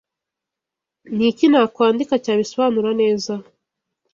Niki Nakwandika cyabisobanura neza